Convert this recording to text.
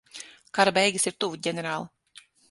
Kara beigas ir tuvu, ģenerāl.